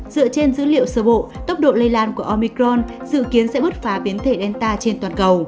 dựa trên dữ liệu sơ bộ tốc độ lây lan của omicron dự kiến sẽ bứt phá biến thể gelta trên toàn cầu